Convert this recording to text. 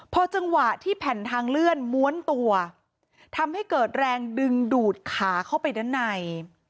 พอจังหวะที่แผ่นทางเลื่อนม้วนตัวทำให้เกิดแรงดึงดูดขาเข้าไปด้านใน